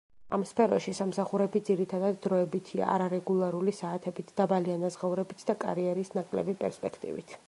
ამ სფეროში სამსახურები ძირითადად დროებითია, არარეგულარული საათებით, დაბალი ანაზღაურებით და კარიერის ნაკლები პერსპექტივით.